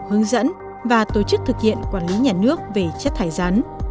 hướng dẫn và tổ chức thực hiện quản lý nhà nước về chất thải rắn